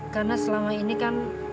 karena selama ini kan